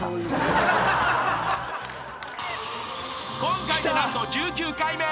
［今回で何と１９回目］